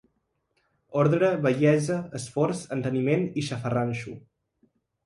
Ordre, bellesa, esforç, enteniment i xafarranxo.